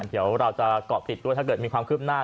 เดี๋ยวเราจะเกาะติดด้วยถ้าเกิดมีความคืบหน้า